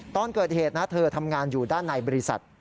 ตอนเกิดเหตุนะเธอทำงานอยู่ด้านในบริษัท